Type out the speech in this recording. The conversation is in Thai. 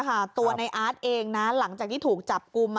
ตัวในอาร์ตเองนะหลังจากที่ถูกจับกลุ่ม